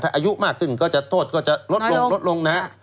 ถ้าอายุมากขึ้นก็จะโทษลดลง